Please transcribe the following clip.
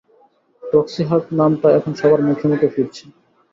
Roxie Hart নামটা এখন সবার মুখে মুখে ফিরছে।